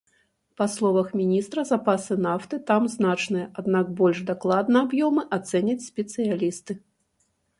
Па словах міністра, запасы нафты там значныя, аднак больш дакладна аб'ёмы ацэняць спецыялісты.